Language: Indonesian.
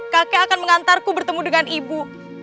kakek akan mengantarku bertemu dengan ibu